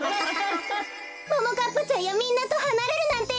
ももかっぱちゃんやみんなとはなれるなんていや！